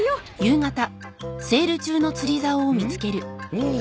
おお！